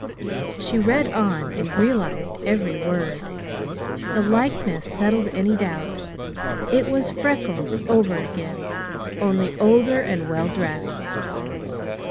She read on, and realized every word. The likeness settled any doubt. It was Freckles over again, only older and well dressed.